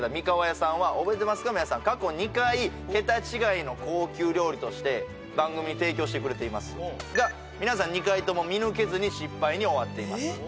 かわやさんは覚えてますか皆さん過去２回ケタ違いの高級料理として番組に提供してくれていますが皆さん２回とも見抜けずに失敗に終わっています